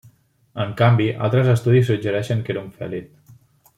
En canvi, altres estudis suggereixen que era un fèlid.